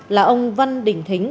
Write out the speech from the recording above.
là ông văn đình thính